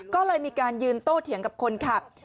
ก็เลยมีการยืนโต้เถียงกับคนขับ